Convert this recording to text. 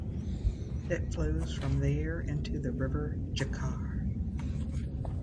It flows from there into the river Jucar.